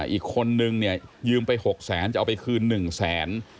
อีกคนนึงเนี่ยยืมไป๖แสนจะเอาไปคืน๑แสน